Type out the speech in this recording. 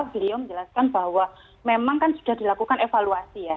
beliau menjelaskan bahwa memang kan sudah dilakukan evaluasi ya